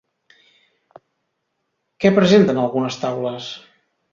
Què presenten algunes taules?